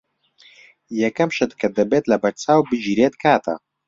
یەکەم شت کە دەبێت لەبەرچاو بگیرێت کاتە.